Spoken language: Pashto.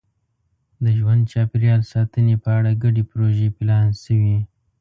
د ژوند چاپېریال ساتنې په اړه ګډې پروژې پلان شوي.